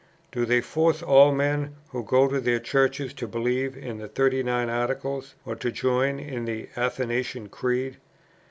Do they force all men who go to their Churches to believe in the 39 Articles, or to join in the Athanasian Creed?